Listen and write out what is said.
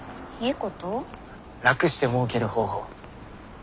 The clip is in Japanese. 楽してもうける方法。